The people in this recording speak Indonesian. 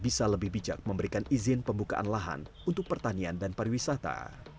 bisa lebih bijak memberikan izin pembukaan lahan untuk pertanian dan pariwisata